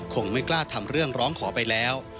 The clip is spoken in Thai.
คงไม่กล้าทำเรื่องร้องขอไปแล้ว